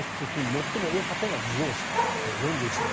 最も多かったのが自動車４１．９％。